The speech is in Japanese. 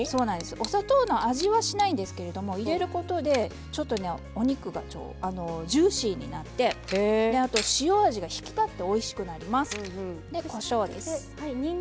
お砂糖の味はしないんですけれど入れることでちょっとお肉がジューシーになってあと塩味が引き立っておいしくなります。